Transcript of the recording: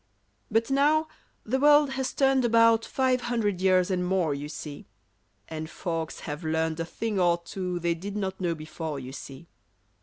But now, the world has turned about Five hundred years and more, you see; And folks have learned a thing or two They did not know before, you see.